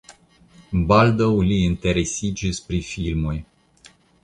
Baldaŭ li interesiĝis pri filmoj.